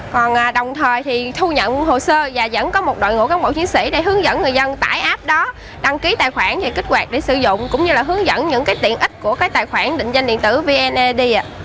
còn đồng thời thu nhận hồ sơ và vẫn có một đội ngũ cán bộ chiến sĩ để hướng dẫn người dân tải app đó đăng ký tài khoản chọn kích hoạt để sử dụng cũng như hướng dẫn những tiện ích của tài khoản định danh điện tử vneid